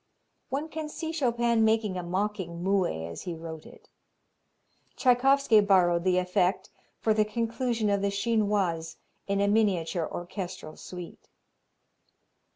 One can see Chopin making a mocking moue as he wrote it. Tschaikowsky borrowed the effect for the conclusion of the Chinoise in a miniature orchestral suite.